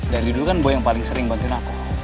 dari dulu kan boy yang paling sering bantuin aku